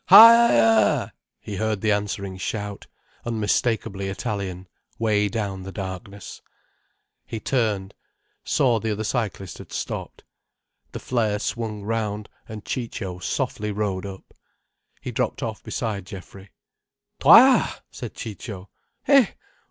"Ha er er!" he heard the answering shout, unmistakably Italian, way down the darkness. He turned—saw the other cyclist had stopped. The flare swung round, and Ciccio softly rode up. He dropped off beside Geoffrey. "Toi!" said Ciccio.